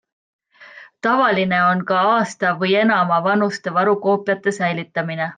Tavaline on ka aasta või enama vanuste varukoopiate säilitamine.